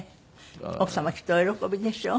奥様きっとお喜びでしょう。